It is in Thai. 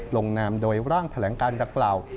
ลงนามโดยร่างแถลงการดังกล่าว